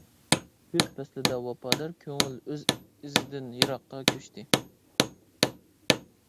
كۈز پەسلىدە ۋاپادار كۆڭۈل، ئۆز ئىزىدىن يىراققا كۆچتى.